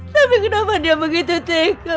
tapi kenapa dia begitu teko